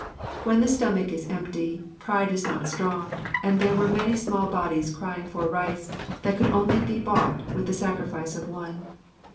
When the stomach is empty, pride is not strong, and there were many small bodies crying for rice that could only be bought with the sacrifice of one.